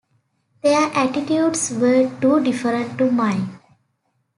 Their attitudes were too different to mine.